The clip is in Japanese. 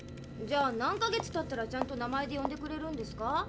じゃあ何か月たったらちゃんと名前で呼んでくれるんですか？